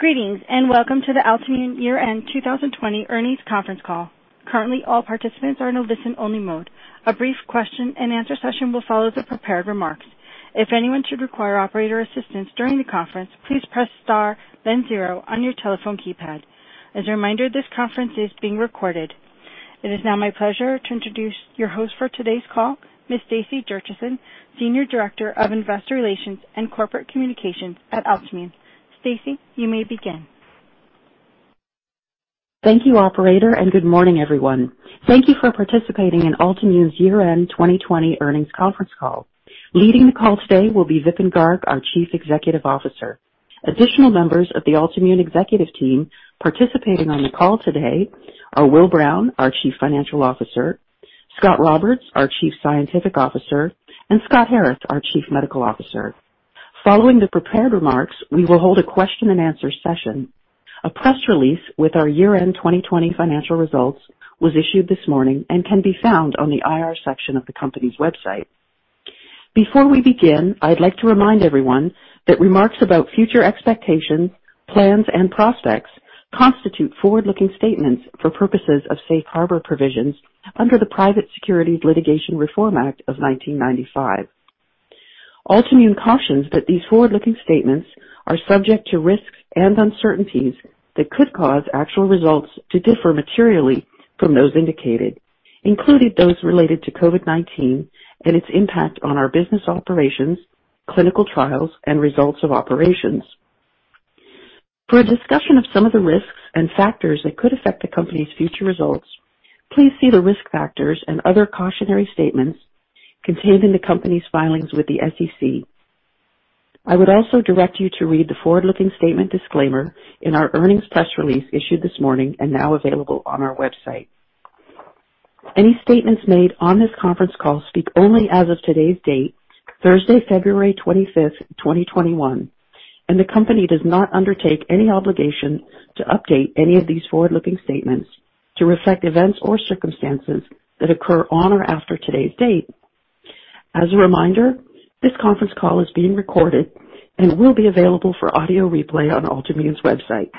Greetings, welcome to the Altimmune year-end 2020 earnings conference call. Currently, all participants are in a listen-only mode. A brief question and answer session will follow the prepared remarks. If anyone should require operator assistance during the conference, please press star then zero on your telephone keypad. As a reminder, this conference is being recorded. It is now my pleasure to introduce your host for today's call, Ms. Stacey Jurchison, Senior Director of Investor Relations and Corporate Communications at Altimmune. Stacey, you may begin. Thank you, operator, and good morning, everyone. Thank you for participating in Altimmune's year-end 2020 earnings conference call. Leading the call today will be Vipin Garg, our Chief Executive Officer. Additional members of the Altimmune executive team participating on the call today are Will Brown, our Chief Financial Officer, Scot Roberts, our Chief Scientific Officer, and Scott Harris, our Chief Medical Officer. Following the prepared remarks, we will hold a question and answer session. A press release with our year-end 2020 financial results was issued this morning and can be found on the IR section of the company's website. Before we begin, I'd like to remind everyone that remarks about future expectations, plans, and prospects constitute forward-looking statements for purposes of Safe Harbor provisions under the Private Securities Litigation Reform Act of 1995. Altimmune cautions that these forward-looking statements are subject to risks and uncertainties that could cause actual results to differ materially from those indicated, including those related to COVID-19 and its impact on our business operations, clinical trials, and results of operations. For a discussion of some of the risks and factors that could affect the company's future results, please see the risk factors and other cautionary statements contained in the company's filings with the SEC. I would also direct you to read the forward-looking statement disclaimer in our earnings press release issued this morning and now available on our website. Any statements made on this conference call speak only as of today's date, Thursday, February 25th, 2021, and the company does not undertake any obligation to update any of these forward-looking statements to reflect events or circumstances that occur on or after today's date. As a reminder, this conference call is being recorded and will be available for audio replay on Altimmune's website.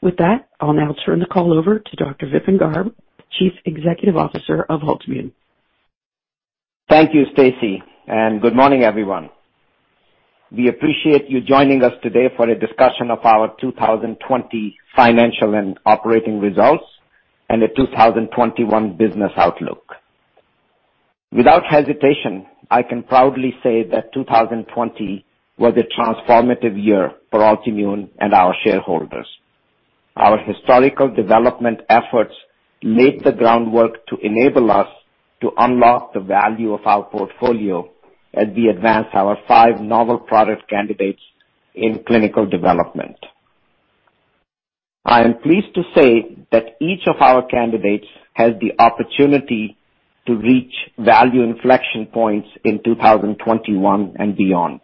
With that, I'll now turn the call over to Dr. Vipin Garg, Chief Executive Officer of Altimmune. Thank you, Stacey, and good morning, everyone. We appreciate you joining us today for a discussion of our 2020 financial and operating results and the 2021 business outlook. Without hesitation, I can proudly say that 2020 was a transformative year for Altimmune and our shareholders. Our historical development efforts laid the groundwork to enable us to unlock the value of our portfolio as we advance our five novel product candidates in clinical development. I am pleased to say that each of our candidates has the opportunity to reach value inflection points in 2021 and beyond.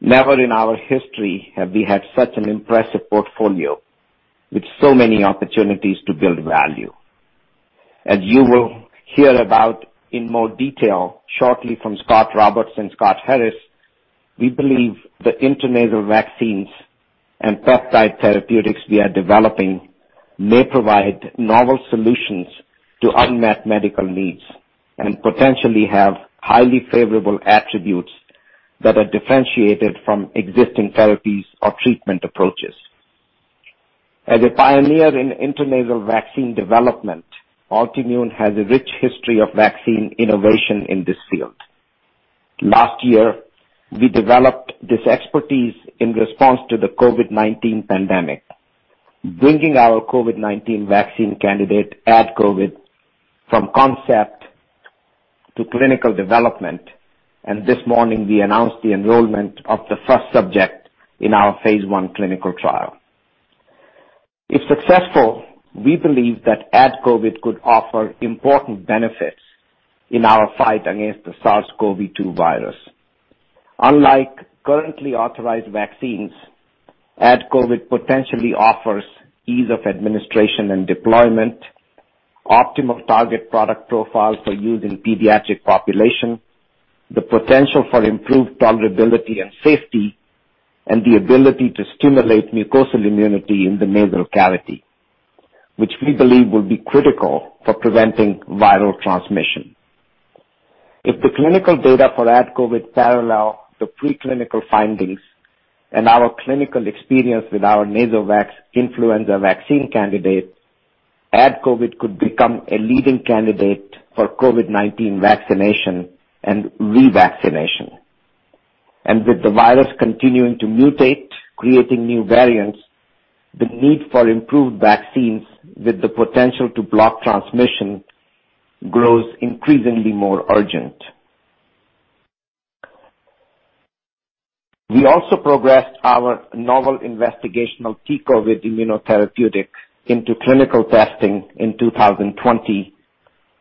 Never in our history have we had such an impressive portfolio with so many opportunities to build value. As you will hear about in more detail shortly from Scot Roberts and Scott Harris, we believe the intranasal vaccines and peptide therapeutics we are developing may provide novel solutions to unmet medical needs and potentially have highly favorable attributes that are differentiated from existing therapies or treatment approaches. As a pioneer in intranasal vaccine development, Altimmune has a rich history of vaccine innovation in this field. Last year, we developed this expertise in response to the COVID-19 pandemic, bringing our COVID-19 vaccine candidate AdCOVID from concept to clinical development. This morning we announced the enrollment of the first subject in our phase I clinical trial. If successful, we believe that AdCOVID could offer important benefits in our fight against the SARS-CoV-2 virus. Unlike currently authorized vaccines, AdCOVID potentially offers ease of administration and deployment, optimal target product profile for use in pediatric population, the potential for improved tolerability and safety, and the ability to stimulate mucosal immunity in the nasal cavity, which we believe will be critical for preventing viral transmission. If the clinical data for AdCOVID parallel the preclinical findings and our clinical experience with our NasoVAX influenza vaccine candidate, AdCOVID could become a leading candidate for COVID-19 vaccination and revaccination. With the virus continuing to mutate, creating new variants, the need for improved vaccines with the potential to block transmission grows increasingly more urgent. We also progressed our novel investigational T-COVID immunotherapeutic into clinical testing in 2020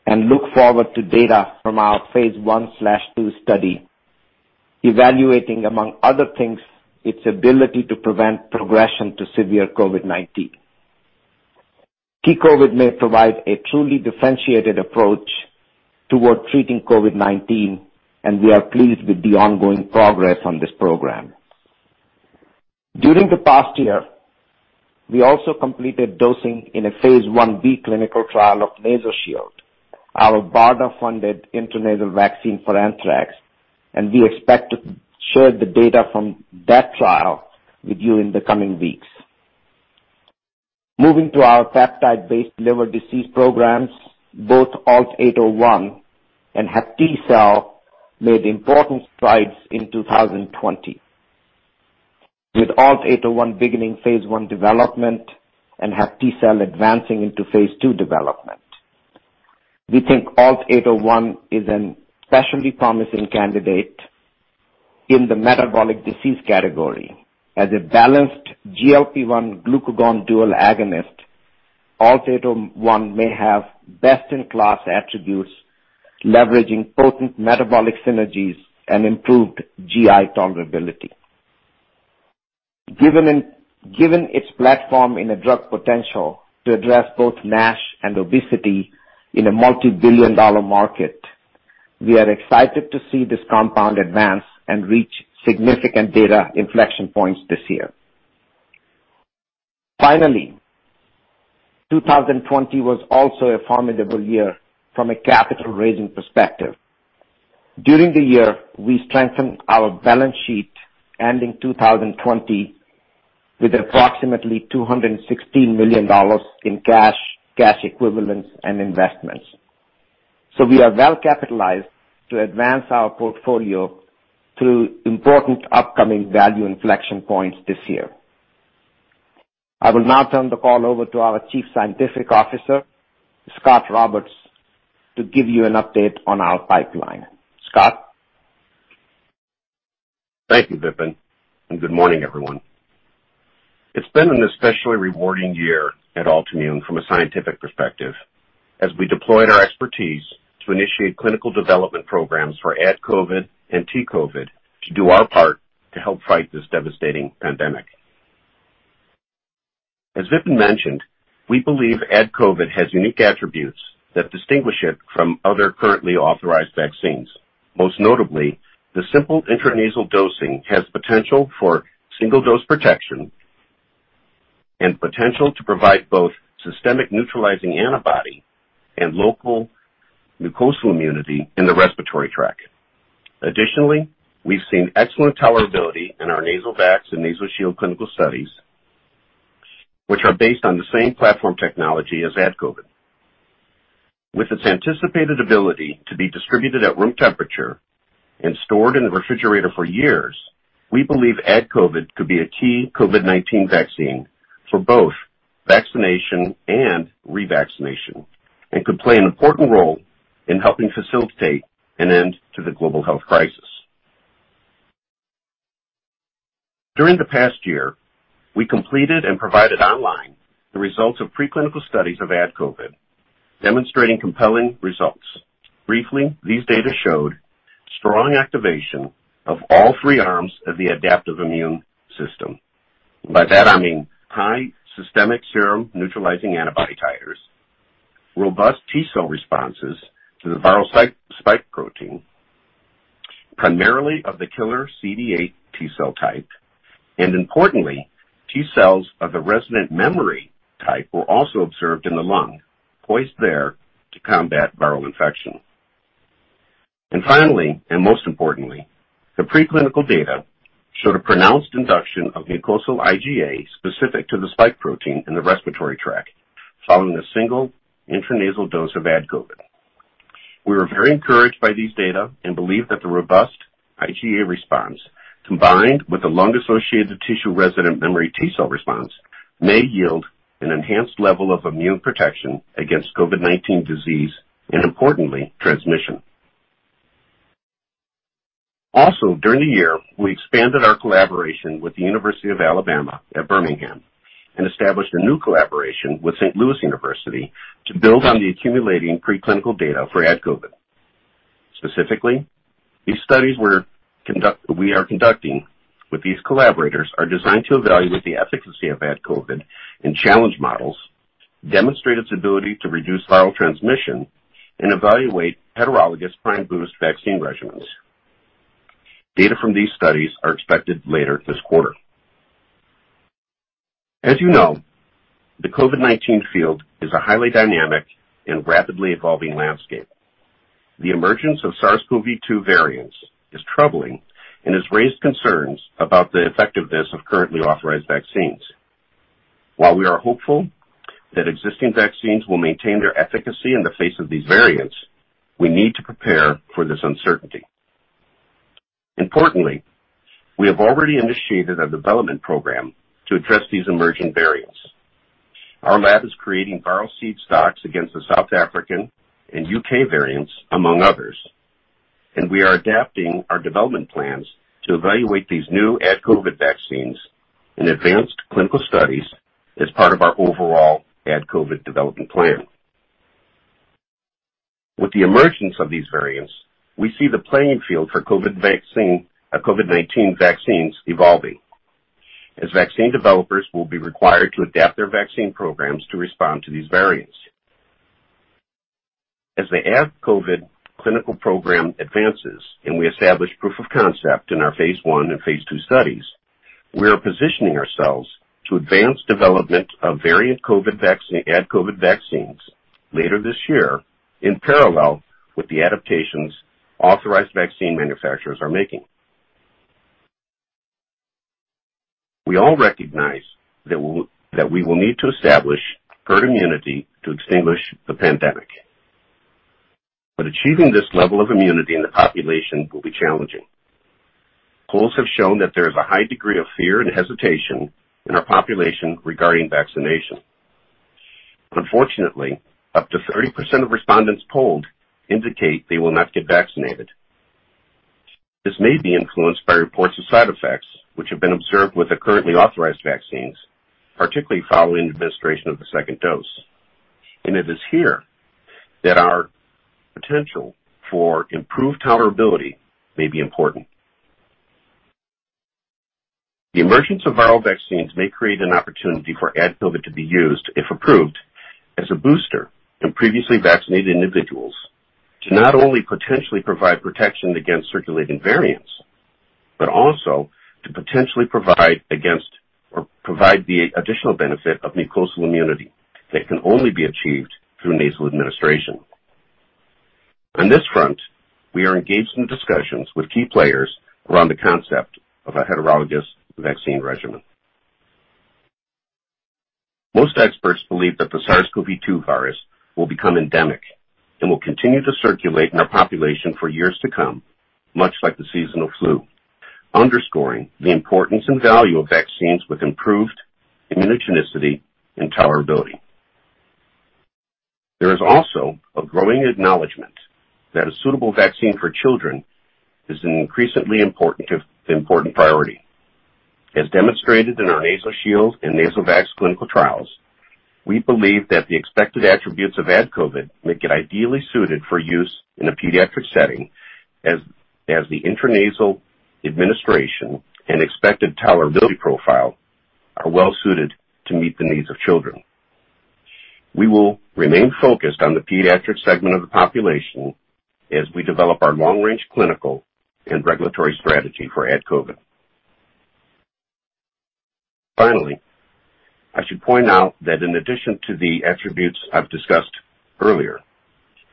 and look forward to data from our phase I/II study evaluating, among other things, its ability to prevent progression to severe COVID-19. T-COVID may provide a truly differentiated approach toward treating COVID-19, and we are pleased with the ongoing progress on this program. During the past year, we also completed dosing in a phase I-B clinical trial of NasoShield, our BARDA-funded intranasal vaccine for anthrax, and we expect to share the data from that trial with you in the coming weeks. Moving to our peptide-based liver disease programs, both ALT-801 and HepTcell made important strides in 2020, with ALT-801 beginning phase I development and HepTcell advancing into phase II development. We think ALT-801 is an especially promising candidate in the metabolic disease category. As a balanced GLP-1 glucagon dual agonist, ALT-801 may have best-in-class attributes, leveraging potent metabolic synergies and improved GI tolerability. Given its platform and drug potential to address both NASH and obesity in a multibillion-dollar market, we are excited to see this compound advance and reach significant data inflection points this year. 2020 was also a formidable year from a capital-raising perspective. During the year, we strengthened our balance sheet ending 2020 with approximately $216 million in cash equivalents, and investments. We are well-capitalized to advance our portfolio through important upcoming value inflection points this year. I will now turn the call over to our Chief Scientific Officer, Scot Roberts, to give you an update on our pipeline. Scot? Thank you, Vipin, and good morning, everyone. It has been an especially rewarding year at Altimmune from a scientific perspective, as we deployed our expertise to initiate clinical development programs for AdCOVID and T-COVID to do our part to help fight this devastating pandemic. As Vipin mentioned, we believe AdCOVID has unique attributes that distinguish it from other currently authorized vaccines. Most notably, the simple intranasal dosing has potential for single-dose protection and potential to provide both systemic neutralizing antibody and local mucosal immunity in the respiratory tract. Additionally, we have seen excellent tolerability in our NasoVAX and NasoShield clinical studies, which are based on the same platform technology as AdCOVID. With its anticipated ability to be distributed at room temperature and stored in the refrigerator for years, we believe AdCOVID could be a key COVID-19 vaccine for both vaccination and revaccination and could play an important role in helping facilitate an end to the global health crisis. During the past year, we completed and provided online the results of preclinical studies of AdCOVID, demonstrating compelling results. Briefly, these data showed strong activation of all three arms of the adaptive immune system. By that, I mean high systemic serum neutralizing antibody titers, robust T cell responses to the viral spike protein, primarily of the killer CD8+ T cell type, and importantly, T cells of the resident memory type were also observed in the lung, poised there to combat viral infection. Finally, and most importantly, the preclinical data showed a pronounced induction of mucosal IgA specific to the spike protein in the respiratory tract following a single intranasal dose of AdCOVID. We were very encouraged by these data and believe that the robust IgA response, combined with the lung-associated tissue resident memory T cell response, may yield an enhanced level of immune protection against COVID-19 disease and, importantly, transmission. Also, during the year, we expanded our collaboration with the University of Alabama at Birmingham and established a new collaboration with Saint Louis University to build on the accumulating preclinical data for AdCOVID. Specifically, these studies we are conducting with these collaborators are designed to evaluate the efficacy of AdCOVID in challenge models, demonstrate its ability to reduce viral transmission, and evaluate heterologous prime boost vaccine regimens. Data from these studies are expected later this quarter. As you know, the COVID-19 field is a highly dynamic and rapidly evolving landscape. The emergence of SARS-CoV-2 variants is troubling and has raised concerns about the effectiveness of currently authorized vaccines. While we are hopeful that existing vaccines will maintain their efficacy in the face of these variants, we need to prepare for this uncertainty. Importantly, we have already initiated a development program to address these emerging variants. Our lab is creating viral seed stocks against the South African and U.K. variants, among others, and we are adapting our development plans to evaluate these new AdCOVID vaccines in advanced clinical studies as part of our overall AdCOVID development plan. With the emergence of these variants, we see the playing field for COVID-19 vaccines evolving as vaccine developers will be required to adapt their vaccine programs to respond to these variants. As the AdCOVID clinical program advances and we establish proof of concept in our phase I and phase II studies, we are positioning ourselves to advance development of variant AdCOVID vaccines later this year in parallel with the adaptations authorized vaccine manufacturers are making. We all recognize that we will need to establish herd immunity to extinguish the pandemic. Achieving this level of immunity in the population will be challenging. Polls have shown that there is a high degree of fear and hesitation in our population regarding vaccination. Unfortunately, up to 30% of respondents polled indicate they will not get vaccinated. This may be influenced by reports of side effects which have been observed with the currently authorized vaccines, particularly following administration of the second dose. It is here that our potential for improved tolerability may be important. The emergence of viral vaccines may create an opportunity for AdCOVID to be used, if approved, as a booster in previously vaccinated individuals to not only potentially provide protection against circulating variants, but also to potentially provide the additional benefit of mucosal immunity that can only be achieved through nasal administration. On this front, we are engaged in discussions with key players around the concept of a heterologous vaccine regimen. Most experts believe that the SARS-CoV-2 virus will become endemic and will continue to circulate in our population for years to come, much like the seasonal flu, underscoring the importance and value of vaccines with improved immunogenicity and tolerability. There is also a growing acknowledgment that a suitable vaccine for children is an increasingly important priority. As demonstrated in our NasoShield and NasoVAX clinical trials, we believe that the expected attributes of AdCOVID make it ideally suited for use in a pediatric setting, as the intranasal administration and expected tolerability profile are well-suited to meet the needs of children. We will remain focused on the pediatric segment of the population as we develop our long-range clinical and regulatory strategy for AdCOVID. I should point out that in addition to the attributes I've discussed earlier,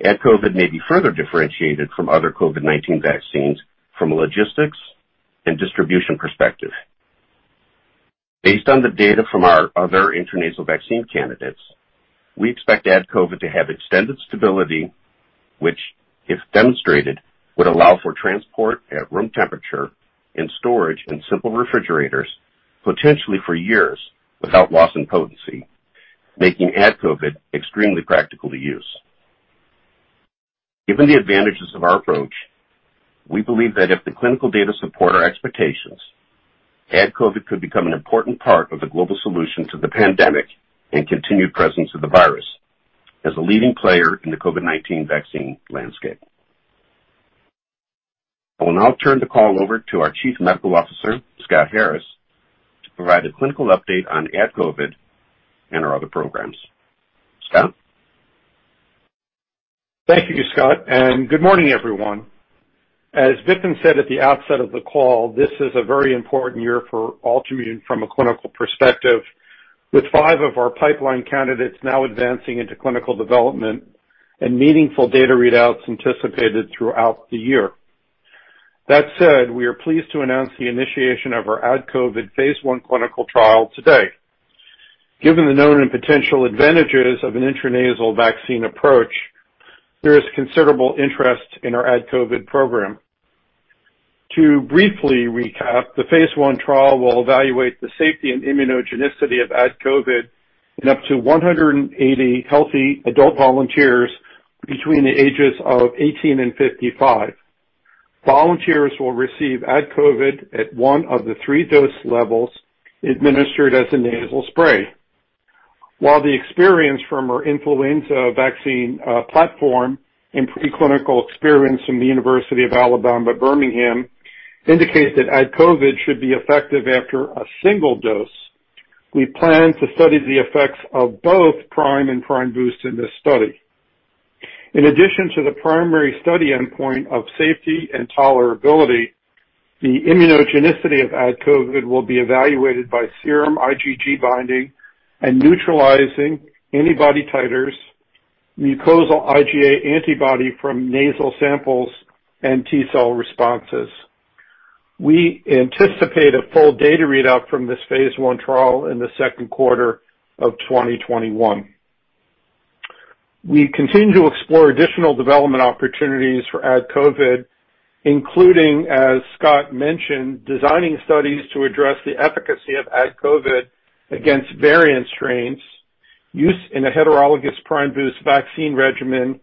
AdCOVID may be further differentiated from other COVID-19 vaccines from a logistics and distribution perspective. Based on the data from our other intranasal vaccine candidates, we expect AdCOVID to have extended stability, which, if demonstrated, would allow for transport at room temperature and storage in simple refrigerators, potentially for years, without loss in potency, making AdCOVID extremely practical to use. Given the advantages of our approach, we believe that if the clinical data support our expectations, AdCOVID could become an important part of the global solution to the pandemic and continued presence of the virus as a leading player in the COVID-19 vaccine landscape. I will now turn the call over to our Chief Medical Officer, Scott Harris, to provide a clinical update on AdCOVID and our other programs. Scott? Thank you, Scott. Good morning, everyone. As Vipin said at the outset of the call, this is a very important year for Altimmune from a clinical perspective, with five of our pipeline candidates now advancing into clinical development and meaningful data readouts anticipated throughout the year. That said, we are pleased to announce the initiation of our AdCOVID phase I clinical trial today. Given the known and potential advantages of an intranasal vaccine approach, there is considerable interest in our AdCOVID program. To briefly recap, the phase I trial will evaluate the safety and immunogenicity of AdCOVID in up to 180 healthy adult volunteers between the ages of 18 and 55. Volunteers will receive AdCOVID at one of the three dose levels administered as a nasal spray. While the experience from our influenza vaccine platform and pre-clinical experience from the University of Alabama at Birmingham indicate that AdCOVID should be effective after a single dose, we plan to study the effects of both prime and prime boost in this study. In addition to the primary study endpoint of safety and tolerability, the immunogenicity of AdCOVID will be evaluated by serum IgG binding and neutralizing antibody titers, mucosal IgA antibody from nasal samples, and T cell responses. We anticipate a full data readout from this phase I trial in the second quarter of 2021. We continue to explore additional development opportunities for AdCOVID, including, as Scot mentioned, designing studies to address the efficacy of AdCOVID against variant strains, use in a heterologous prime boost vaccine regimen,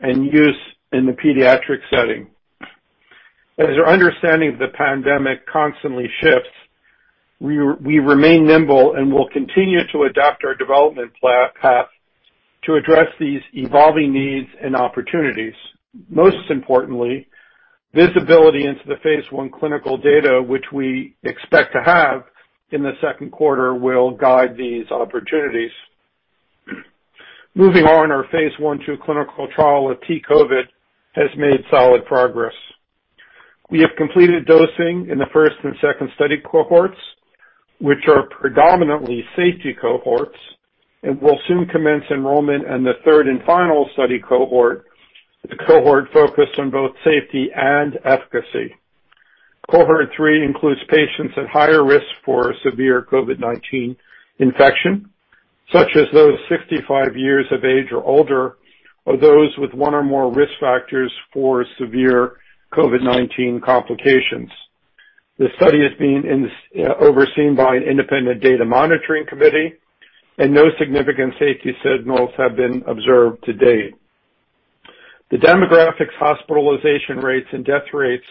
and use in the pediatric setting. As our understanding of the pandemic constantly shifts, we remain nimble and will continue to adapt our development path to address these evolving needs and opportunities. Most importantly, visibility into the phase I clinical data, which we expect to have in the second quarter, will guide these opportunities. Moving on, our phase I/II clinical trial of T-COVID has made solid progress. We have completed dosing in the first and second study cohorts, which are predominantly safety cohorts, and will soon commence enrollment in the third and final study cohort, the cohort focused on both safety and efficacy. Cohort 3 includes patients at higher risk for severe COVID-19 infection, such as those 65 years of age or older, or those with one or more risk factors for severe COVID-19 complications. The study is being overseen by an independent data monitoring committee, no significant safety signals have been observed to date. The demographics, hospitalization rates, and death rates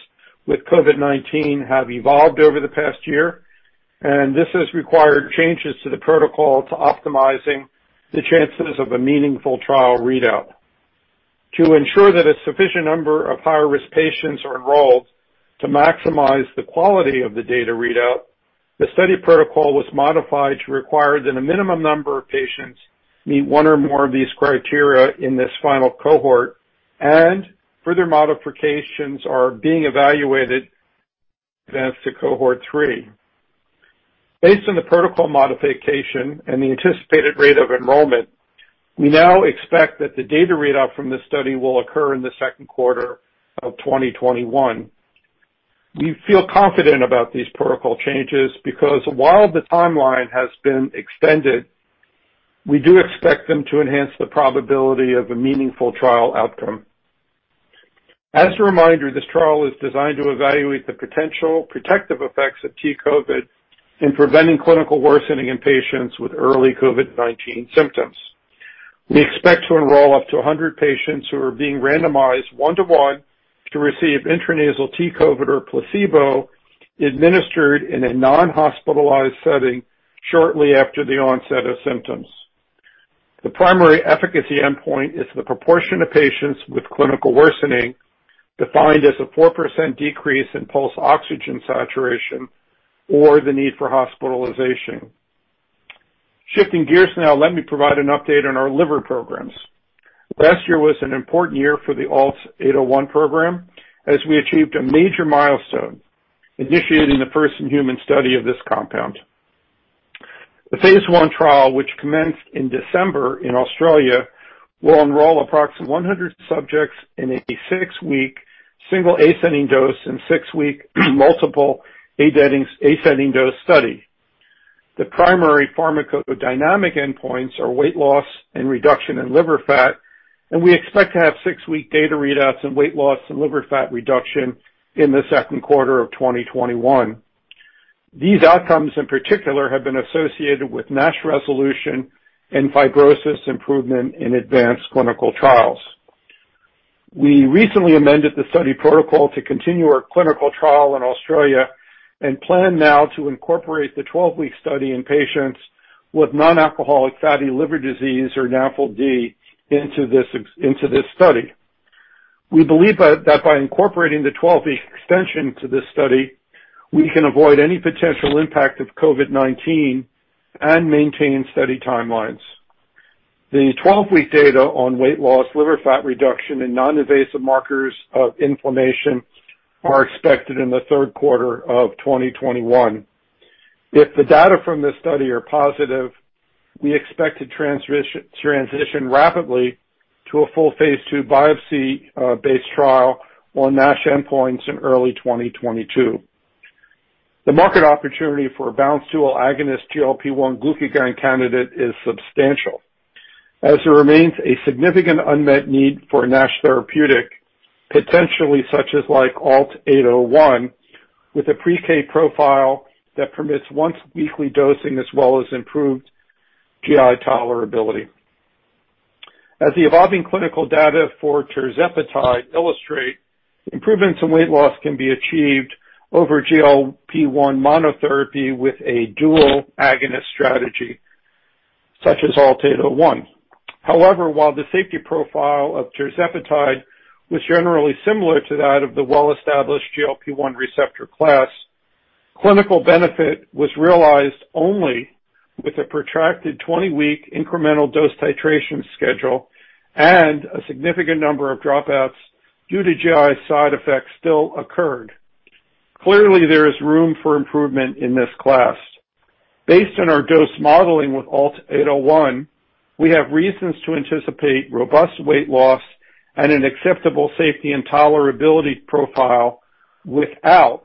with COVID-19 have evolved over the past year, this has required changes to the protocol to optimize the chances of a meaningful trial readout. To ensure that a sufficient number of high-risk patients are enrolled to maximize the quality of the data readout, the study protocol was modified to require that a minimum number of patients meet one or more of these criteria in this final cohort, and further modifications are being evaluated advance to Cohort 3. Based on the protocol modification and the anticipated rate of enrollment, we now expect that the data readout from this study will occur in the second quarter of 2021. We feel confident about these protocol changes because while the timeline has been extended, we do expect them to enhance the probability of a meaningful trial outcome. As a reminder, this trial is designed to evaluate the potential protective effects of T-COVID in preventing clinical worsening in patients with early COVID-19 symptoms. We expect to enroll up to 100 patients who are being randomized one-to-one to receive intranasal T-COVID or placebo administered in a non-hospitalized setting shortly after the onset of symptoms. The primary efficacy endpoint is the proportion of patients with clinical worsening defined as a 4% decrease in pulse oxygen saturation or the need for hospitalization. Shifting gears now, let me provide an update on our liver programs. Last year was an important year for the ALT-801 program as we achieved a major milestone initiating the first human study of this compound. The phase I trial, which commenced in December in Australia, will enroll approximately 100 subjects in a six-week single ascending dose and six-week multiple ascending dose study. The primary pharmacodynamic endpoints are weight loss and reduction in liver fat. We expect to have six-week data readouts in weight loss and liver fat reduction in the second quarter of 2021. These outcomes, in particular, have been associated with NASH resolution and fibrosis improvement in advanced clinical trials. We recently amended the study protocol to continue our clinical trial in Australia and plan now to incorporate the 12-week study in patients with non-alcoholic fatty liver disease or NAFLD into this study. We believe that by incorporating the 12-week extension to this study, we can avoid any potential impact of COVID-19 and maintain study timelines. The 12-week data on weight loss, liver fat reduction, and non-invasive markers of inflammation are expected in the third quarter of 2021. If the data from this study are positive, we expect to transition rapidly to a full phase II biopsy base trial on NASH endpoints in early 2022. The market opportunity for a balanced dual agonist GLP-1 glucagon candidate is substantial as there remains a significant unmet need for NASH therapeutic, potentially such as like ALT-801, with a PK profile that permits once-weekly dosing as well as improved GI tolerability. As the evolving clinical data for tirzepatide illustrate, improvements in weight loss can be achieved over GLP-1 monotherapy with a dual agonist strategy such as ALT-801. However, while the safety profile of tirzepatide was generally similar to that of the well-established GLP-1 receptor class, clinical benefit was realized only with a protracted 20-week incremental dose titration schedule and a significant number of dropouts due to GI side effects still occurred. Clearly, there is room for improvement in this class. Based on our dose modeling with ALT-801, we have reasons to anticipate robust weight loss and an acceptable safety and tolerability profile without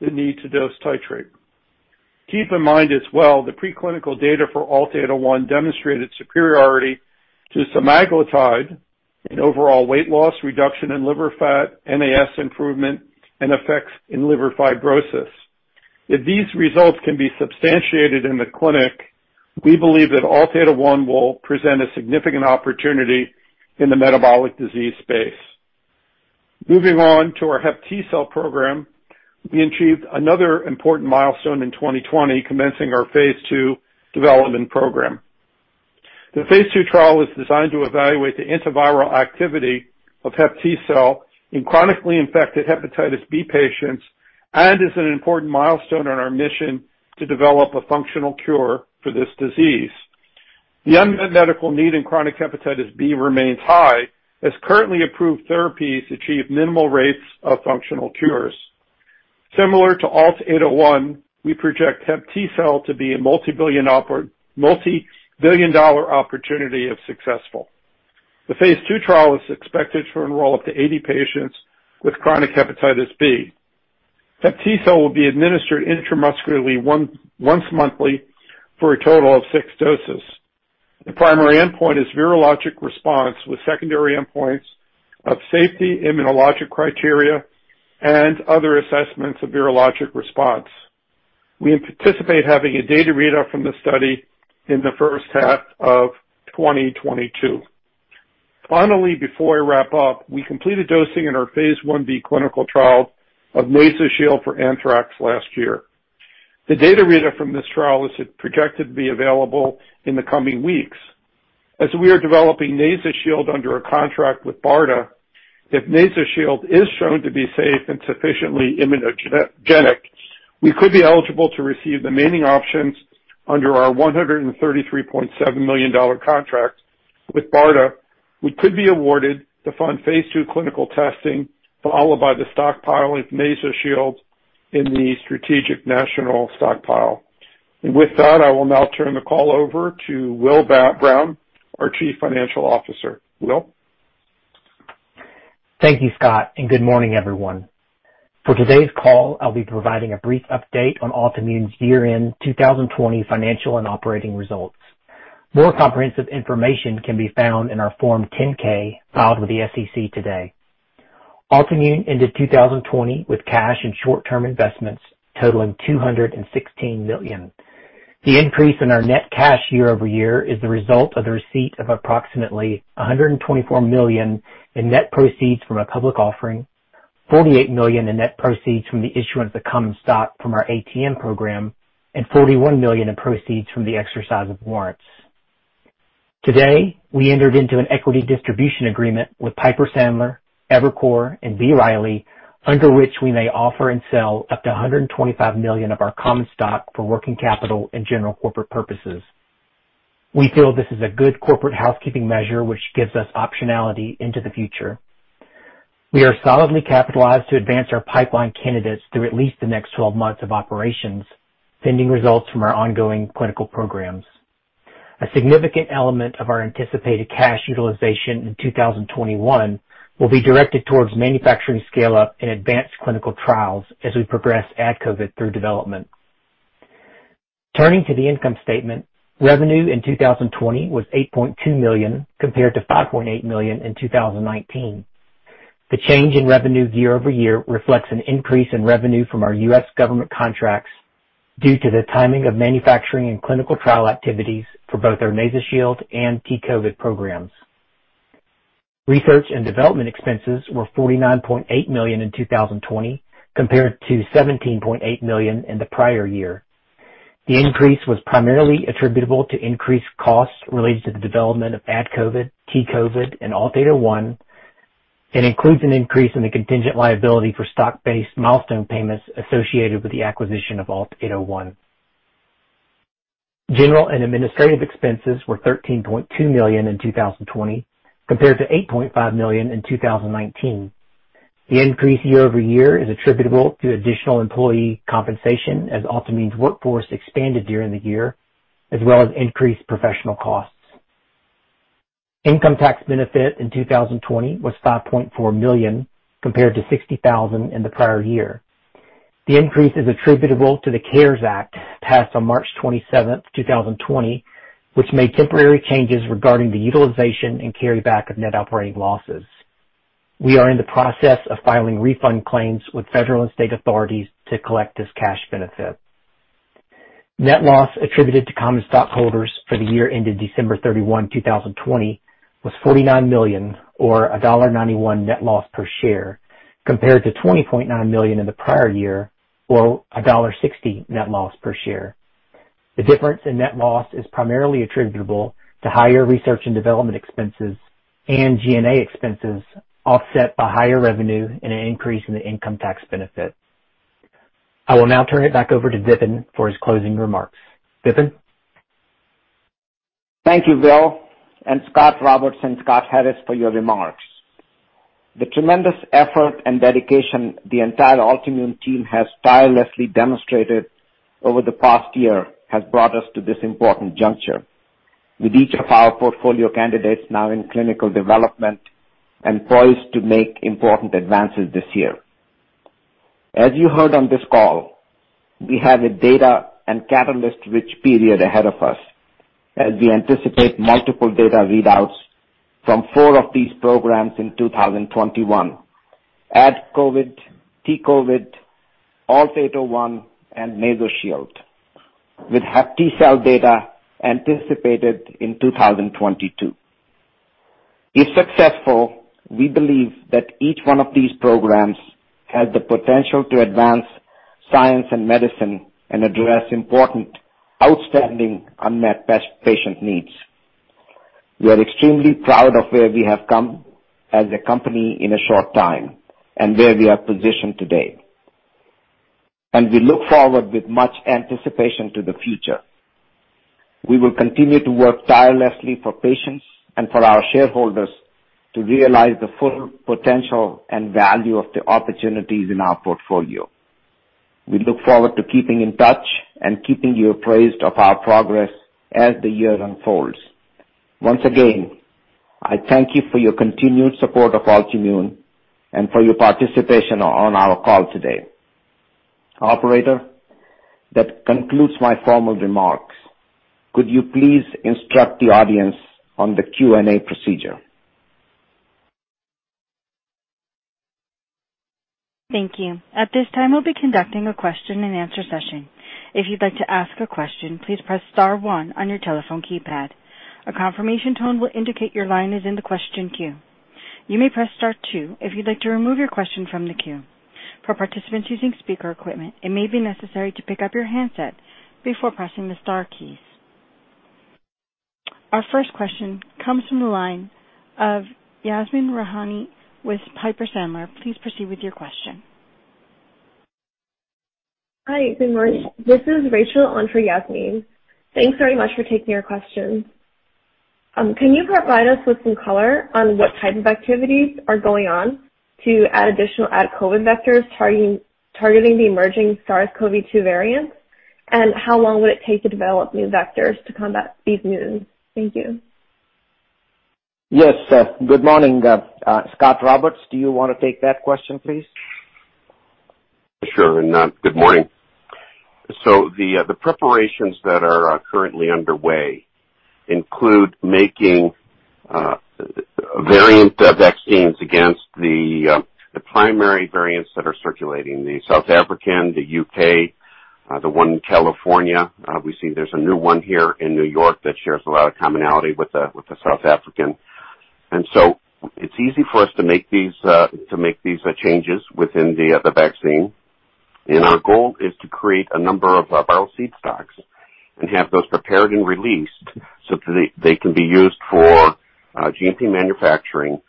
the need to dose titrate. Keep in mind as well the preclinical data for ALT-801 demonstrated superiority to semaglutide in overall weight loss reduction in liver fat, NAS improvement, and effects in liver fibrosis. If these results can be substantiated in the clinic, we believe that ALT-801 will present a significant opportunity in the metabolic disease space. Moving on to our HepTcell program. We achieved another important milestone in 2020, commencing our phase II development program. The phase II trial is designed to evaluate the antiviral activity of HepTcell in chronically infected hepatitis B patients, and is an important milestone in our mission to develop a functional cure for this disease. The unmet medical need in chronic hepatitis B remains high, as currently approved therapies achieve minimal rates of functional cures. Similar to ALT-801, we project HepTcell to be a multi-billion dollar opportunity if successful. The phase II trial is expected to enroll up to 80 patients with chronic hepatitis B. HepTcell will be administered intramuscularly once monthly for a total of six doses. The primary endpoint is virologic response with secondary endpoints of safety, immunologic criteria, and other assessments of virologic response. We anticipate having a data read-out from the study in the first half of 2022. Finally, before I wrap up, we completed dosing in our phase I-B clinical trial of NasoShield for anthrax last year. The data read-out from this trial is projected to be available in the coming weeks. As we are developing NasoShield under a contract with BARDA, if NasoShield is shown to be safe and sufficiently immunogenic, we could be eligible to receive the remaining options under our $133.7 million contract with BARDA. We could be awarded to fund phase II clinical testing, followed by the stockpiling of NasoShield in the Strategic National Stockpile. With that, I will now turn the call over to Will Brown, our Chief Financial Officer. Will? Thank you, Scott. Good morning, everyone. For today's call, I'll be providing a brief update on Altimmune's year-end 2020 financial and operating results. More comprehensive information can be found in our Form 10-K filed with the SEC today. Altimmune ended 2020 with cash and short-term investments totaling $216 million. The increase in our net cash year-over-year is the result of the receipt of approximately $124 million in net proceeds from a public offering, $48 million in net proceeds from the issuance of common stock from our ATM program, and $41 million in proceeds from the exercise of warrants. Today, we entered into an equity distribution agreement with Piper Sandler, Evercore, and B. Riley, under which we may offer and sell up to $125 million of our common stock for working capital and general corporate purposes. We feel this is a good corporate housekeeping measure which gives us optionality into the future. We are solidly capitalized to advance our pipeline candidates through at least the next 12 months of operations, pending results from our ongoing clinical programs. A significant element of our anticipated cash utilization in 2021 will be directed towards manufacturing scale-up and advanced clinical trials as we progress AdCOVID through development. Turning to the income statement, revenue in 2020 was $8.2 million, compared to $5.8 million in 2019. The change in revenue year-over-year reflects an increase in revenue from our U.S. government contracts due to the timing of manufacturing and clinical trial activities for both our NasoShield and T-COVID programs. Research and development expenses were $49.8 million in 2020 compared to $17.8 million in the prior year. The increase was primarily attributable to increased costs related to the development of AdCOVID, T-COVID, and ALT-801, and includes an increase in the contingent liability for stock-based milestone payments associated with the acquisition of ALT-801. General and administrative expenses were $13.2 million in 2020 compared to $8.5 million in 2019. The increase year-over-year is attributable to additional employee compensation as Altimmune's workforce expanded during the year, as well as increased professional costs. Income tax benefit in 2020 was $5.4 million, compared to $60,000 in the prior year. The increase is attributable to the CARES Act passed on March 27th, 2020, which made temporary changes regarding the utilization and carry-back of net operating losses. We are in the process of filing refund claims with federal and state authorities to collect this cash benefit. Net loss attributed to common stockholders for the year ended December 31, 2020, was $49 million or $1.91 net loss per share, compared to $20.9 million in the prior year or $1.60 net loss per share. The difference in net loss is primarily attributable to higher research and development expenses and G&A expenses offset by higher revenue and an increase in the income tax benefit. I will now turn it back over to Vipin for his closing remarks. Vipin? Thank you, Will and Scot Roberts, Scott Harris for your remarks. The tremendous effort and dedication the entire Altimmune team has tirelessly demonstrated over the past year has brought us to this important juncture with each of our portfolio candidates now in clinical development and poised to make important advances this year. As you heard on this call, we have a data and catalyst-rich period ahead of us. As we anticipate multiple data readouts from four of these programs in 2021. AdCOVID, T-COVID, ALT-801, and NasoShield, with HepTcell data anticipated in 2022. If successful, we believe that each one of these programs has the potential to advance science and medicine and address important, outstanding, unmet patient needs. We are extremely proud of where we have come as a company in a short time and where we are positioned today. We look forward with much anticipation to the future. We will continue to work tirelessly for patients and for our shareholders to realize the full potential and value of the opportunities in our portfolio. We look forward to keeping in touch and keeping you appraised of our progress as the year unfolds. Once again, I thank you for your continued support of Altimmune, and for your participation on our call today. Operator, that concludes my formal remarks. Could you please instruct the audience on the Q&A procedure? Thank you. At this time, we'll be conducting a question and answer session. If you'd like to ask a question, please press star one on your telephone keypad. A confirmation tone will indicate your line is in the question queue. You may press star two if you'd like to remove your question from the queue. For participants using speaker equipment, it may be necessary to pick up your handset before pressing the star keys. Our first question comes from the line of Yasmeen Rahimi with Piper Sandler. Please proceed with your question. Hi, good morning. This is Rachel on for Yasmeen. Thanks very much for taking our question. Can you provide us with some color on what type of activities are going on to add additional AdCOVID vectors targeting the emerging SARS-CoV-2 variants? How long would it take to develop new vectors to combat these new ones? Thank you. Yes. Good morning. Scot Roberts, do you want to take that question, please? Sure. Good morning. The preparations that are currently underway include making variant vaccines against the primary variants that are circulating, the South African, the U.K., the one in California. We see there's a new one here in New York that shares a lot of commonality with the South African. It's easy for us to make these changes within the vaccine. Our goal is to create a number of viral seed stocks and have those prepared and released so they can be used for GMP manufacturing,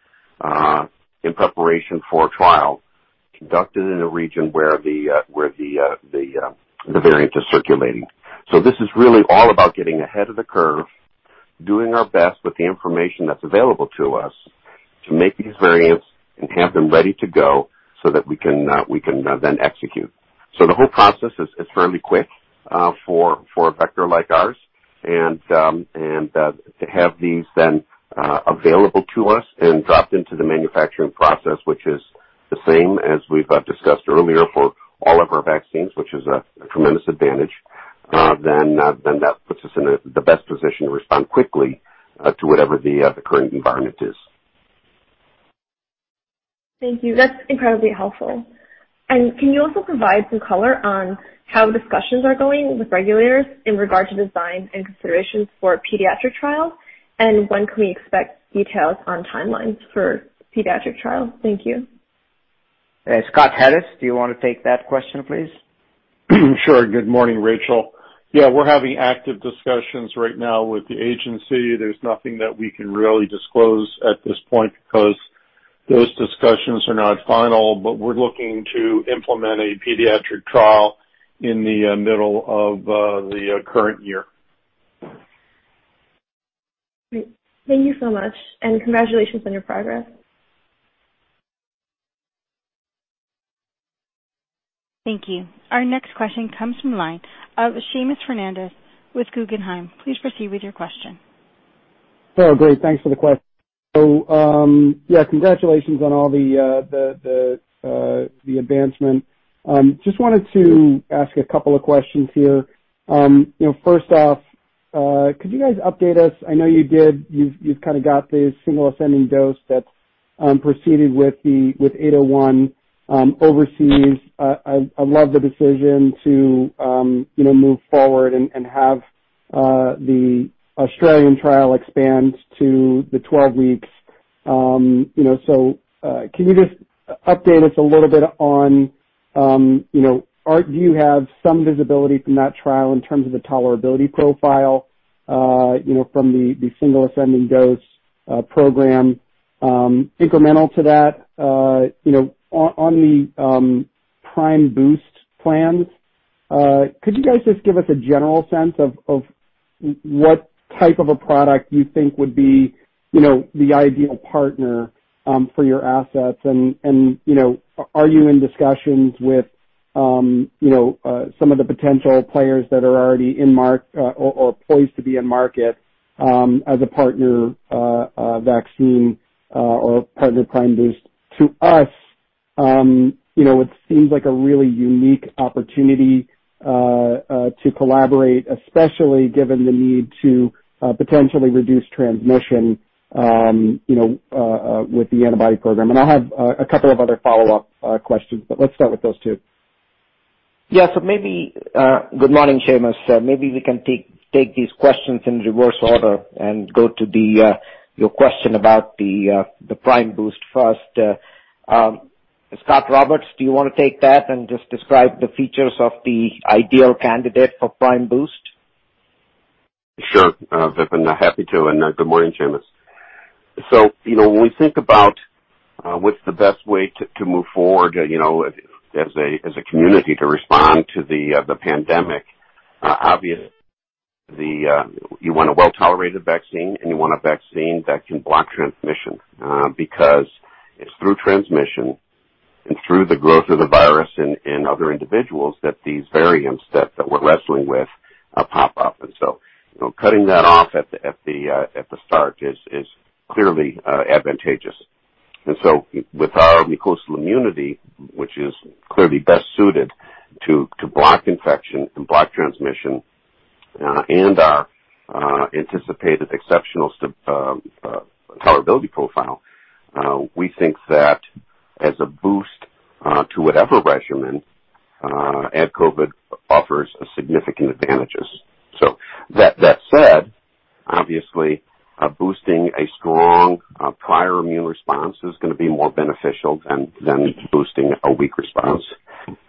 in preparation for trials conducted in a region where the variant is circulating. This is really all about getting ahead of the curve, doing our best with the information that's available to us to make these variants and have them ready to go so that we can then execute. The whole process is fairly quick for a vector like ours and to have these then available to us and dropped into the manufacturing process, which is the same as we've discussed earlier for all of our vaccines, which is a tremendous advantage, then that puts us in the best position to respond quickly to whatever the current environment is. Thank you. That's incredibly helpful. Can you also provide some color on how discussions are going with regulators in regard to design and considerations for pediatric trials? When can we expect details on timelines for pediatric trials? Thank you. Scott Harris, do you want to take that question, please? Sure. Good morning, Rachel. Yeah, we're having active discussions right now with the agency. There's nothing that we can really disclose at this point because those discussions are not final. We're looking to implement a pediatric trial in the middle of the current year. Great. Thank you so much, and congratulations on your progress. Thank you. Our next question comes from the line of Seamus Fernandez with Guggenheim. Please proceed with your question. Oh, great. Thanks for the question. Yeah, congratulations on all the advancement. Just wanted to ask a couple of questions here. First off, could you guys update us, I know you did, you've kind of got the single ascending dose that proceeded with ALT-801 overseas. I love the decision to move forward and have the Australian trial expand to the 12 weeks. Can you just update us a little bit on, do you have some visibility from that trial in terms of the tolerability profile from the single ascending dose program? Incremental to that, on the prime boost plans, could you guys just give us a general sense of what type of a product you think would be the ideal partner for your assets? Are you in discussions with some of the potential players that are already or poised to be in market as a partner vaccine or partner prime boost? To us it seems like a really unique opportunity to collaborate, especially given the need to potentially reduce transmission with the antibody program. I have a couple of other follow-up questions, but let's start with those two. Good morning, Seamus. Maybe we can take these questions in reverse order and go to your question about the prime boost first. Scot Roberts, do you want to take that and just describe the features of the ideal candidate for prime boost? Sure, Vipin. Happy to, and good morning, Seamus. When we think about what's the best way to move forward as a community to respond to the pandemic, obviously, you want a well-tolerated vaccine, and you want a vaccine that can block transmission. Because it's through transmission and through the growth of the virus in other individuals that these variants that we're wrestling with pop up. Cutting that off at the start is clearly advantageous. With our mucosal immunity, which is clearly best suited to block infection and block transmission, and our anticipated exceptional tolerability profile, we think that as a boost to whatever regimen, AdCOVID offers significant advantages. That said, obviously, boosting a strong prior immune response is going to be more beneficial than boosting a weak response.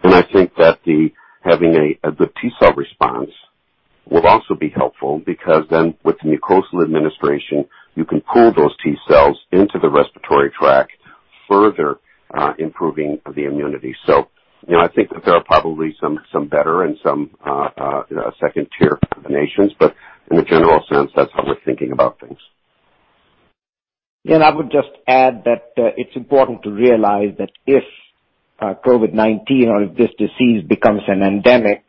I think that having the T cell response will also be helpful, because then with the mucosal administration, you can pull those T cells into the respiratory tract, further improving the immunity. I think that there are probably some better and some second-tier combinations, but in the general sense, that's how we're thinking about things. I would just add that it's important to realize that if COVID-19 or if this disease becomes an endemic,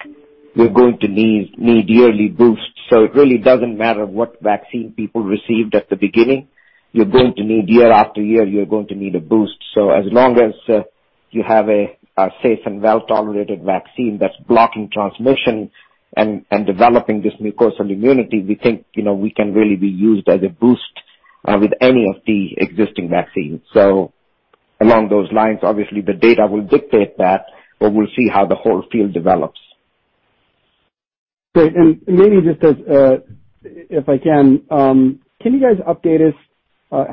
we're going to need yearly boosts. It really doesn't matter what vaccine people received at the beginning. Year after year, you're going to need a boost. As long as you have a safe and well-tolerated vaccine that's blocking transmission and developing this mucosal immunity, we think we can really be used as a boost with any of the existing vaccines. Along those lines, obviously, the data will dictate that, but we'll see how the whole field develops. Great. Maybe just if I can you guys update us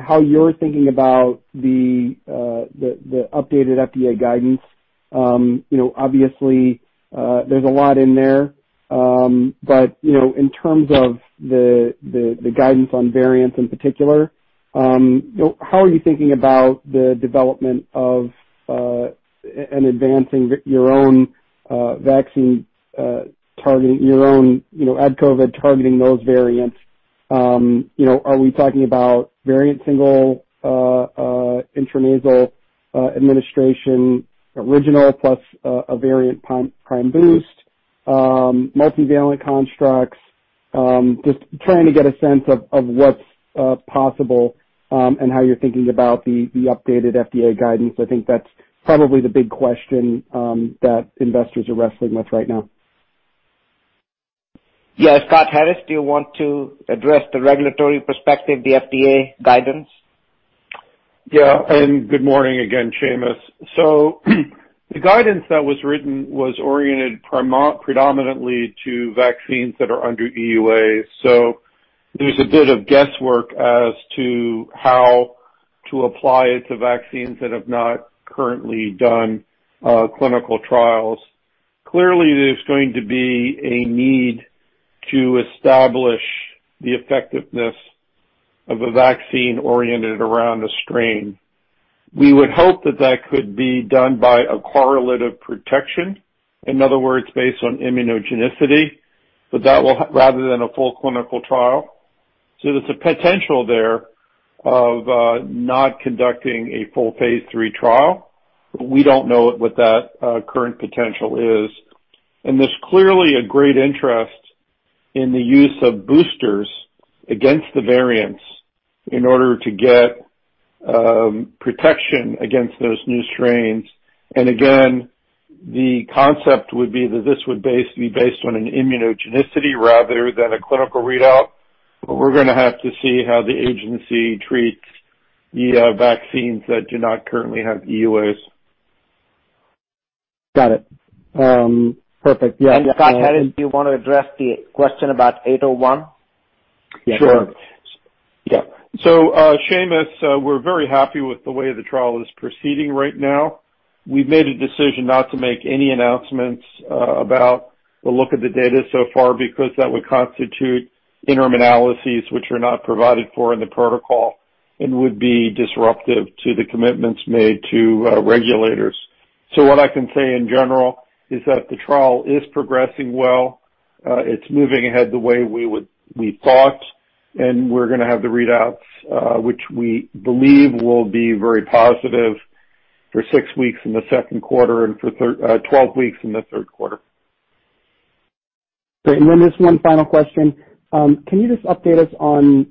how you're thinking about the updated FDA guidance? Obviously, there's a lot in there. In terms of the guidance on variants in particular, how are you thinking about the development of and advancing your own AdCOVID targeting those variants? Are we talking about variant single intranasal administration original plus a variant prime boost? Multivalent constructs? Just trying to get a sense of what's possible and how you're thinking about the updated FDA guidance. I think that's probably the big question that investors are wrestling with right now. Yeah. Scott Harris, do you want to address the regulatory perspective, the FDA guidance? Yeah. Good morning again, Seamus. The guidance that was written was oriented predominantly to vaccines that are under EUAs. There's a bit of guesswork as to how to apply it to vaccines that have not currently done clinical trials. Clearly, there's going to be a need to establish the effectiveness of a vaccine oriented around a strain. We would hope that that could be done by a correlate of protection. In other words, based on immunogenicity rather than a full clinical trial. There's a potential there of not conducting a full phase III trial. We don't know what that current potential is. There's clearly a great interest in the use of boosters against the variants in order to get protection against those new strains. Again, the concept would be that this would be based on an immunogenicity rather than a clinical readout. We're going to have to see how the agency treats the vaccines that do not currently have EUAs. Got it. Perfect. Yeah. Scott Harris, do you want to address the question about ALT-801? Sure. Yeah. Seamus, we're very happy with the way the trial is proceeding right now. We've made a decision not to make any announcements about the look of the data so far because that would constitute interim analyses which are not provided for in the protocol and would be disruptive to the commitments made to regulators. What I can say in general is that the trial is progressing well. It's moving ahead the way we thought, and we're going to have the readouts which we believe will be very positive for six weeks in the second quarter and for 12 weeks in the third quarter. Great. There's one final question. Can you just update us on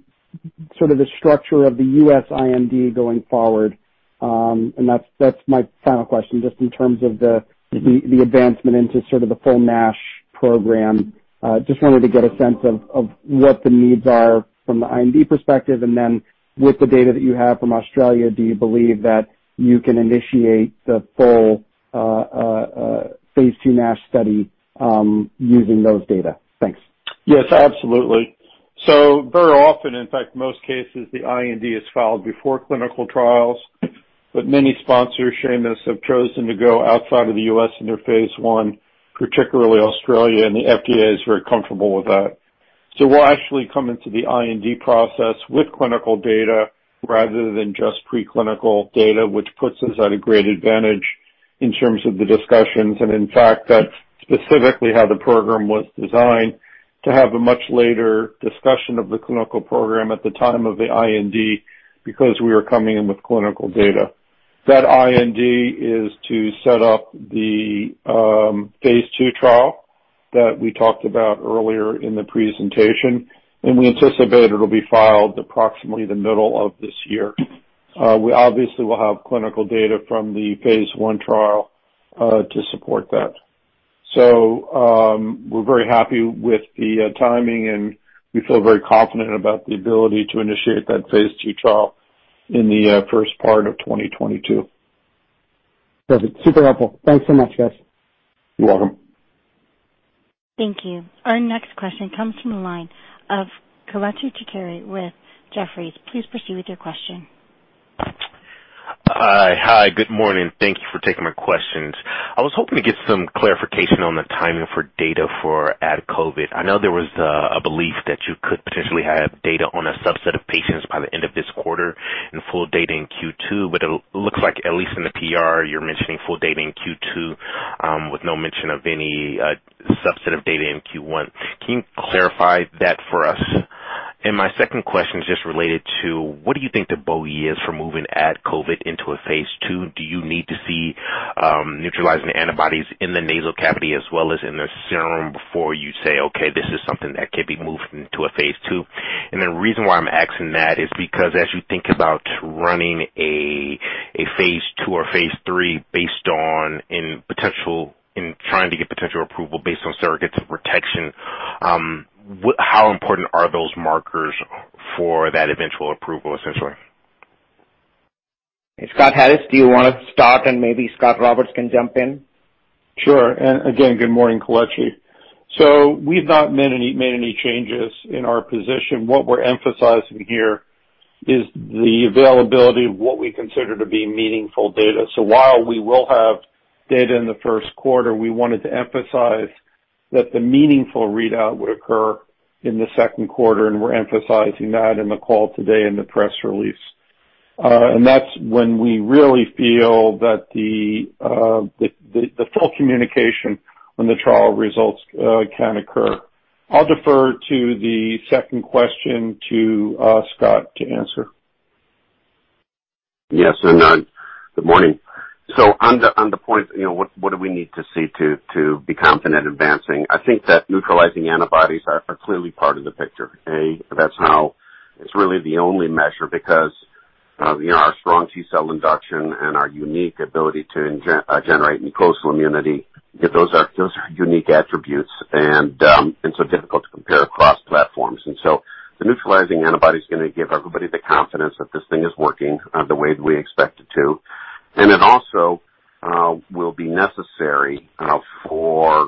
sort of the structure of the U.S. IND going forward? That's my final question, just in terms of the advancement into sort of the full NASH program. Just wanted to get a sense of what the needs are from the IND perspective, and then with the data that you have from Australia, do you believe that you can initiate the full phase II NASH study using those data? Thanks. Yes, absolutely. Very often, in fact, most cases, the IND is filed before clinical trials, but many sponsors, Seamus, have chosen to go outside of the U.S. in their phase I, particularly Australia, and the FDA is very comfortable with that. We'll actually come into the IND process with clinical data rather than just preclinical data, which puts us at a great advantage in terms of the discussions. In fact, that's specifically how the program was designed, to have a much later discussion of the clinical program at the time of the IND, because we were coming in with clinical data. That IND is to set up the phase II trial that we talked about earlier in the presentation, and we anticipate it'll be filed approximately the middle of this year. We obviously will have clinical data from the phase I trial to support that. We're very happy with the timing, and we feel very confident about the ability to initiate that phase II trial in the first part of 2022. Perfect. Super helpful. Thanks so much, guys. You're welcome. Thank you. Our next question comes from the line of Kelechi Chikere with Jefferies. Please proceed with your question. Hi. Good morning. Thank you for taking my questions. I was hoping to get some clarification on the timing for data for AdCOVID. I know there was a belief that you could potentially have data on a subset of patients by the end of this quarter and full data in Q2, but it looks like, at least in the PR, you're mentioning full data in Q2, with no mention of any subset of data in Q1. Can you clarify that for us? My second question is just related to what do you think the bogey is for moving AdCOVID into a phase II? Do you need to see neutralizing antibodies in the nasal cavity as well as in the serum before you say, "Okay, this is something that can be moved into a phase II"? The reason why I'm asking that is because as you think about running a phase II or phase III based on in trying to get potential approval based on surrogates of protection, how important are those markers for that eventual approval, essentially? Scott Harris, do you want to start, and maybe Scot Roberts can jump in? Sure. Again, good morning, Kelechi. We've not made any changes in our position. What we're emphasizing here is the availability of what we consider to be meaningful data. While we will have data in the first quarter, we wanted to emphasize that the meaningful readout would occur in the second quarter, and we're emphasizing that in the call today in the press release. That's when we really feel that the full communication on the trial results can occur. I'll defer to the second question to Scot to answer. Yes, good morning. On the point, what do we need to see to be confident advancing? I think that neutralizing antibodies are clearly part of the picture. That's how it's really the only measure because our strong T cell induction and our unique ability to generate mucosal immunity, those are unique attributes and so difficult to compare across platforms. The neutralizing antibody is going to give everybody the confidence that this thing is working the way we expect it to. It also will be necessary for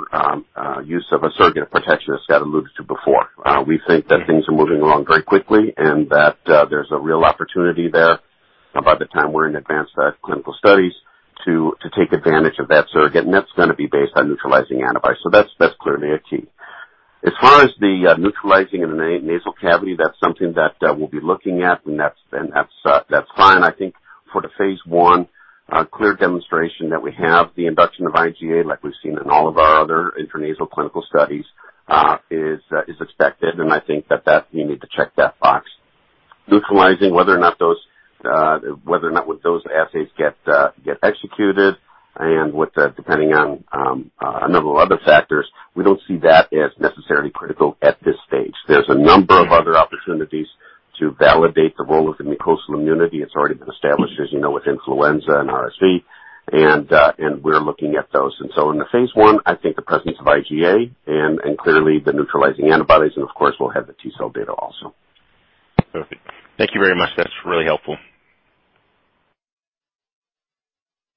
use of a surrogate protection, as Scott alluded to before. We think that things are moving along very quickly and that there's a real opportunity there by the time we're in advanced clinical studies to take advantage of that surrogate, and that's going to be based on neutralizing antibodies. That's clearly a key. As far as the neutralizing in the nasal cavity, that's something that we'll be looking at, and that's fine. I think for the phase I clear demonstration that we have the induction of IgA like we've seen in all of our other intranasal clinical studies is expected. I think that you need to check that box. Neutralizing, whether or not those assays get executed and with that, depending on a number of other factors, we don't see that as necessarily critical at this stage. There's a number of other opportunities to validate the role of the mucosal immunity. It's already been established, as you know, with influenza and RSV. We're looking at those. In the phase I think the presence of IgA and clearly the neutralizing antibodies, and of course, we'll have the T cell data also. Perfect. Thank you very much. That's really helpful.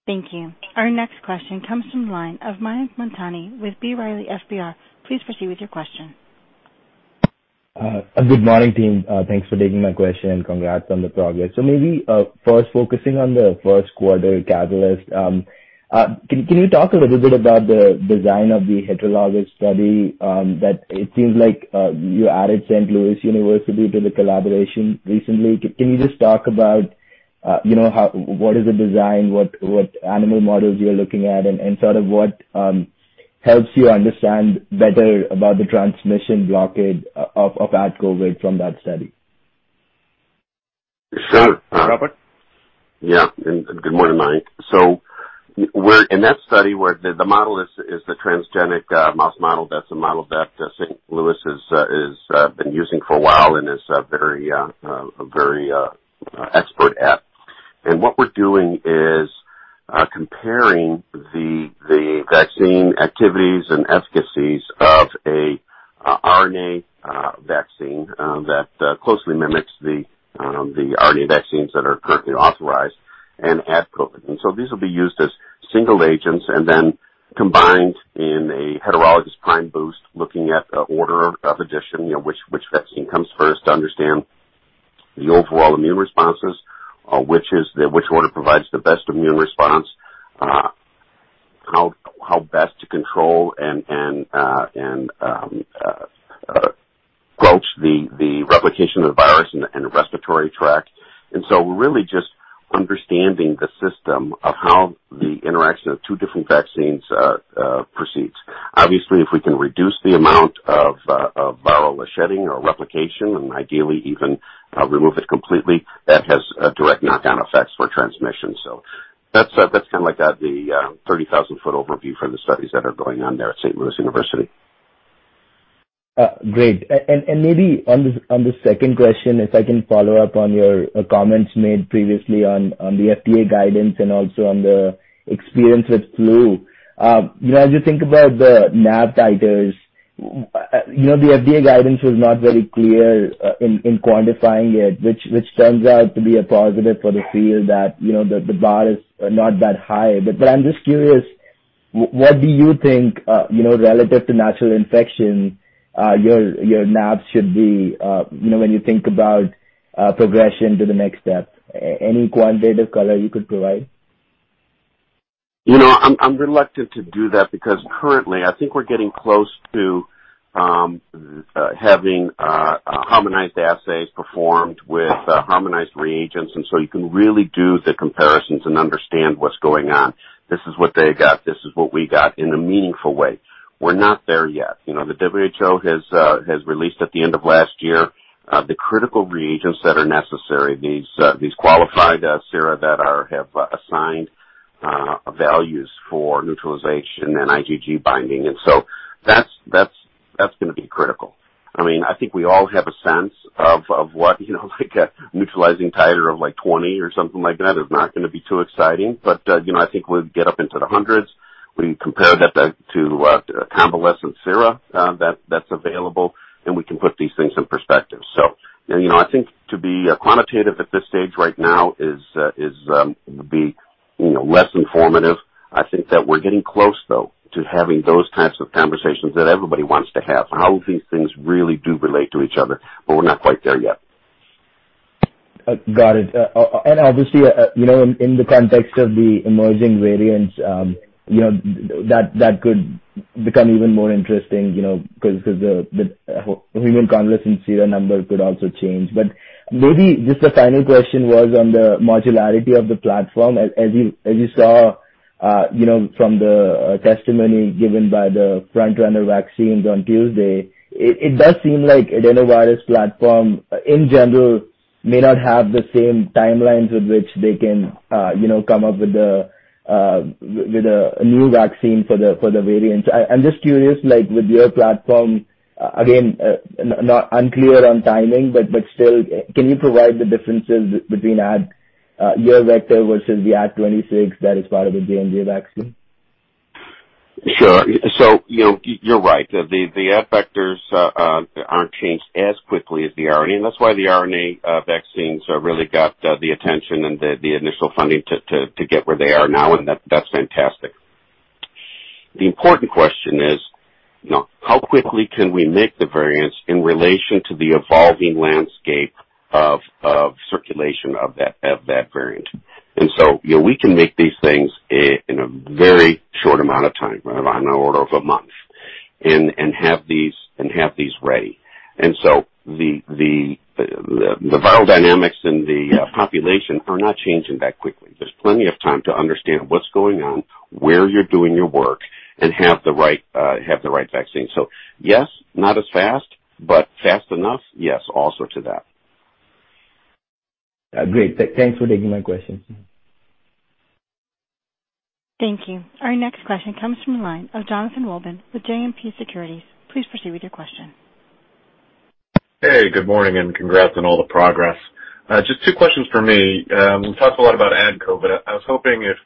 Thank you. Our next question comes from the line of Mayank Mamtani with B. Riley FBR. Please proceed with your question. Good morning, team. Thanks for taking my question. Congrats on the progress. First focusing on the first quarter catalyst, can you talk a little bit about the design of the heterologous study? That it seems like you added Saint Louis University to the collaboration recently. Can you just talk about what is the design, what animal models you're looking at, and sort of what helps you understand better about the transmission blockage of AdCOVID from that study? Sure, Roberts? Yeah. Good morning, Mayank. In that study, the model is the transgenic mouse model. That's a model that St. Louis has been using for a while and is very expert at. What we're doing is comparing the vaccine activities and efficacies of an RNA vaccine that closely mimics the RNA vaccines that are currently authorized and AdCOVID. These will be used as single agents and then combined in a heterologous prime boost, looking at the order of addition, which vaccine comes first to understand the overall immune responses, which order provides the best immune response, how best to control and quench the replication of the virus in the respiratory tract. Really just understanding the system of how the interaction of two different vaccines proceeds. Obviously, if we can reduce the amount of viral shedding or replication, and ideally even remove it completely, that has direct knockdown effects for transmission. That's kind of like the 30,000 ft overview for the studies that are going on there at Saint Louis University. Great. Maybe on the second question, if I can follow up on your comments made previously on the FDA guidance and also on the experience with flu. As you think about the NAb titers, the FDA guidance was not very clear in quantifying it, which turns out to be a positive for the field that the bar is not that high. I'm just curious, what do you think, relative to natural infection, your NAbs should be when you think about progression to the next step? Any quantitative color you could provide? I'm reluctant to do that because currently I think we're getting close to having harmonized assays performed with harmonized reagents, you can really do the comparisons and understand what's going on. This is what they got, this is what we got in a meaningful way. We're not there yet. The WHO has released at the end of last year the critical reagents that are necessary, these qualified sera that have assigned values for neutralization and IgG binding. That's going to be critical. I think we all have a sense of what a neutralizing titer of 20 or something like that is not going to be too exciting. I think we'll get up into the hundreds. We compare that to convalescent sera that's available, we can put these things in perspective. I think to be quantitative at this stage right now would be less informative. I think that we're getting close, though, to having those types of conversations that everybody wants to have. How these things really do relate to each other, but we're not quite there yet. Got it. Obviously, in the context of the emerging variants, that could become even more interesting because the human convalescent sera number could also change. Maybe just the final question was on the modularity of the platform. As you saw from the testimony given by the front-runner vaccines on Tuesday, it does seem like adenovirus platform in general may not have the same timelines with which they can come up with a new vaccine for the variants. Just curious, with your platform, again, unclear on timing, but still, can you provide the differences between your vector versus the Ad26 that is part of the J&J vaccine? Sure. You're right. The Ad vectors aren't changed as quickly as the RNA, and that's why the RNA vaccines really got the attention and the initial funding to get where they are now, and that's fantastic. The important question is how quickly can we make the variants in relation to the evolving landscape of circulation of that variant? We can make these things in a very short amount of time, on the order of a month, and have these ready. The viral dynamics in the population are not changing that quickly. There's plenty of time to understand what's going on, where you're doing your work, and have the right vaccine. Yes, not as fast, but fast enough? Yes, also to that. Great. Thanks for taking my questions. Thank you. Our next question comes from the line of Jonathan Wolleben with JMP Securities. Please proceed with your question. Hey, good morning and congrats on all the progress. Just two questions for me. We talked a lot about AdCOVID. I was hoping if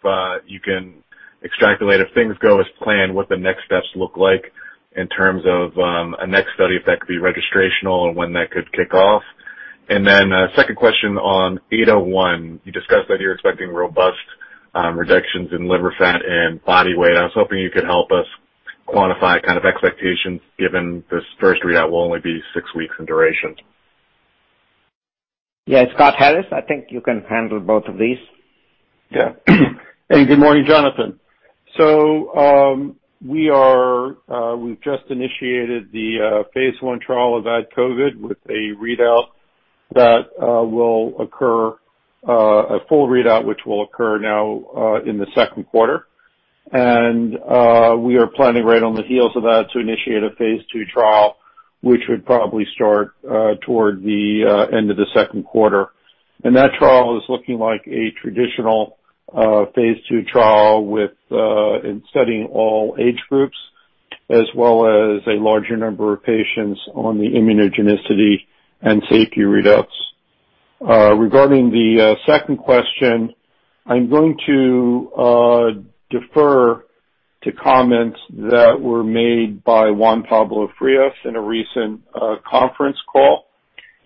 you can extrapolate if things go as planned, what the next steps look like in terms of a next study, if that could be registrational and when that could kick off. A second question on ALT-801. You discussed that you're expecting robust reductions in liver fat and body weight. I was hoping you could help us quantify kind of expectations given this first readout will only be six weeks in duration. Yeah. Scott Harris, I think you can handle both of these. Yeah. Hey, good morning, Jonathan. We've just initiated the phase I trial of AdCOVID with a readout that will occur, a full readout which will occur now in the second quarter. We are planning right on the heels of that to initiate a phase II trial, which would probably start toward the end of the second quarter. That trial is looking like a traditional phase II trial, and studying all age groups, as well as a larger number of patients on the immunogenicity and safety readouts. Regarding the second question, I'm going to defer to comments that were made by Juan Pablo Frias in a recent conference call,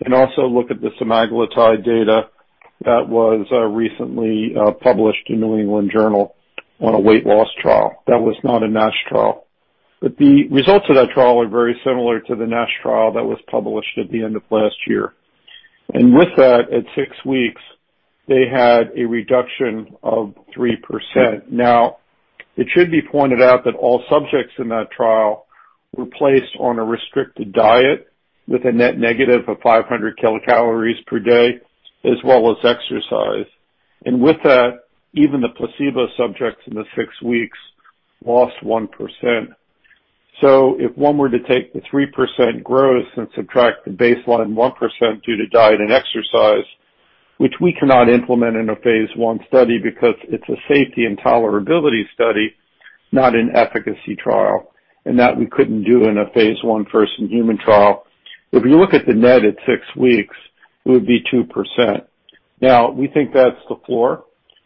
and also look at the semaglutide data that was recently published in New England Journal on a weight loss trial. That was not a NASH trial. The results of that trial are very similar to the NASH trial that was published at the end of last year. With that, at six weeks, they had a reduction of 3%. Now, it should be pointed out that all subjects in that trial were placed on a restricted diet with a net negative of 500 kilocalories per day, as well as exercise. With that, even the placebo subjects in the six weeks lost 1%. If one were to take the 3% growth and subtract the baseline 1% due to diet and exercise, which we cannot implement in a phase I study because it's a safety and tolerability study, not an efficacy trial, and that we couldn't do in a phase I first-in-human trial. If you look at the net at six weeks, it would be 2%. We think that's the floor,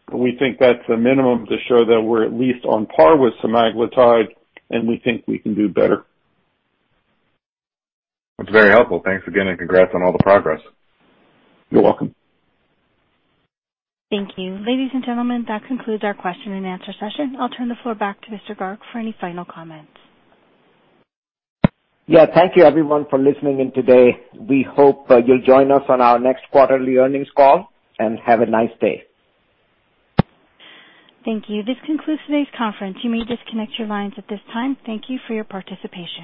and we think that's a minimum to show that we're at least on par with semaglutide, and we think we can do better. That's very helpful. Thanks again, and congrats on all the progress. You're welcome. Thank you. Ladies and gentlemen, that concludes our question and answer session. I'll turn the floor back to Mr. Garg for any final comments. Yeah. Thank you everyone for listening in today. We hope you'll join us on our next quarterly earnings call, and have a nice day. Thank you. This concludes today's conference. You may disconnect your lines at this time. Thank you for your participation.